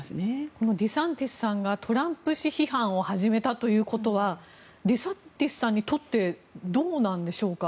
このデサンティスさんがトランプ氏批判を始めたということはデサンティスさんにとってどうなんでしょうか。